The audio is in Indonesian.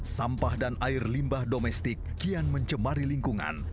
sampah dan air limbah domestik kian mencemari lingkungan